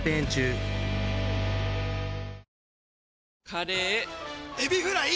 カレーエビフライ！